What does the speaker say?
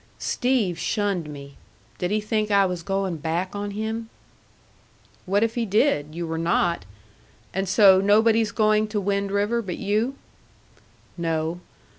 Steve shunned me. Did he think I was going back on him?" "What if he did? You were not. And so nobody's going to Wind River but you?" "No.